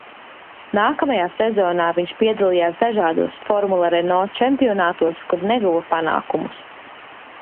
Nākamajā sezonā viņš piedalījās dažādos Formula Renault čempionātos, kur neguva panākumus.